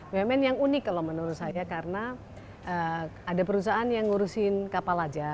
bumn yang unik kalau menurut saya karena ada perusahaan yang ngurusin kapal aja